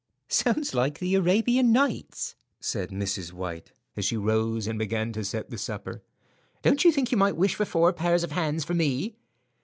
"Sounds like the Arabian Nights," said Mrs. White, as she rose and began to set the supper. "Don't you think you might wish for four pairs of hands for me?"